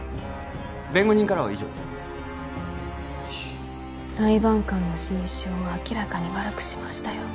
弁護人からは以上です裁判官の心証明らかに悪くしましたよ